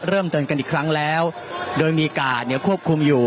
เตือนกันอีกครั้งแล้วโดยมีกาดเนี่ยควบคุมอยู่